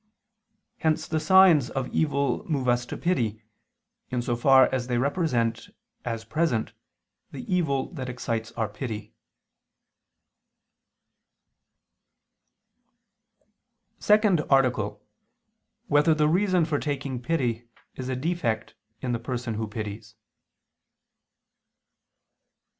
Hence the signs of evil move us to pity, in so far as they represent as present, the evil that excites our pity. _______________________ SECOND ARTICLE [II II, Q. 30, Art. 2] Whether the Reason for Taking Pity Is a Defect in the Person Who Pities?